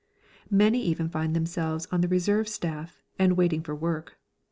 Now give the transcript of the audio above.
Many even find themselves on the Reserve Staff and waiting for work.